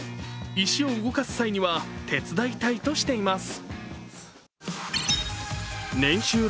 石を動かす際には手伝いたいとしています。